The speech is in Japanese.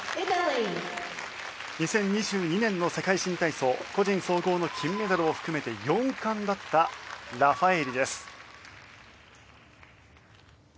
２０２２年の世界新体操個人総合の金メダルを含めて４冠だったラファエーリです。